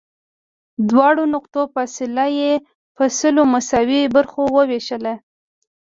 دواړو نقطو فاصله یې په سلو مساوي برخو ووېشله.